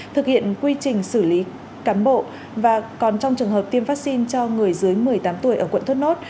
thực hiện quy trình xử lý cán bộ và còn trong trường hợp tiêm vắc xin cho người dưới một mươi tám tuổi ở quận thuất nốt